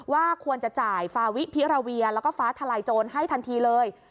ว่าควรจะจ่ายฟาวิพิราเวียแล้วก็ฟ้าทลายโจรให้ทันทีเลย